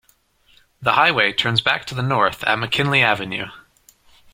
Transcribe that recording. The highway turns back to the north at McKinley Avenue.